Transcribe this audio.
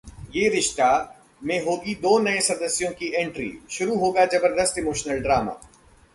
ये रिश्ता... में होगी दो नए सदस्यों की एंट्री, शुरू होगा जबरदस्त इमोशनल ड्रामा